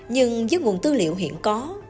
nhưng dưới nguồn tư liệu hiện có